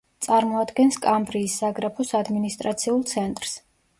წარმოადგენს კამბრიის საგრაფოს ადმინისტრაციულ ცენტრს.